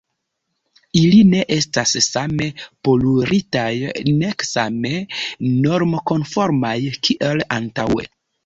Ili ne estas same poluritaj, nek same normkonformaj kiel antaŭe.